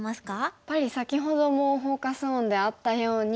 やっぱり先ほどもフォーカス・オンであったように。